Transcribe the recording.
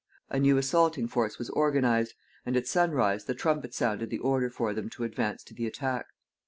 A new assaulting force was organized, and at sunrise the trumpet sounded the order for them to advance to the attack.